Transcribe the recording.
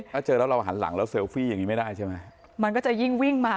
ถ้าเจอแล้วเราหันหลังแล้วเซลฟี่อย่างนี้ไม่ได้ใช่ไหมมันก็จะยิ่งวิ่งมา